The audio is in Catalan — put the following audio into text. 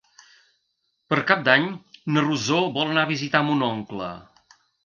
Per Cap d'Any na Rosó vol anar a visitar mon oncle.